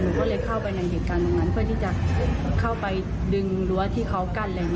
เราก็เลยเข้าไปในเหตุการณ์ตรงนั้นเพื่อที่จะเข้าไปดึงรั้วที่เขากั้น